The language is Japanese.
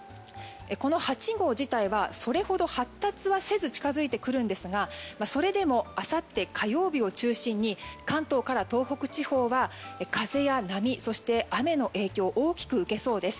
この８号自体はそれほど発達はせず近づいてくるんですがそれでもあさって火曜日を中心に関東から東北地方は風や波そして雨の影響大きく受けそうです。